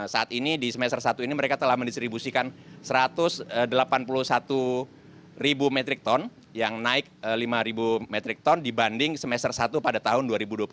saat ini di semester satu ini mereka telah mendistribusikan satu ratus delapan puluh satu ribu metrik ton yang naik lima metrik ton dibanding semester satu pada tahun dua ribu dua puluh satu